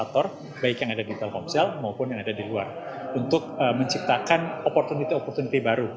otor baik yang ada di telkomsel maupun yang ada di luar untuk menciptakan opportunity opportunity baru